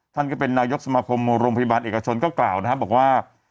ท่านก็เป็นนายกสมาคมโรงพยาบาลเอกชนก็กล่าวนะครับบอกว่า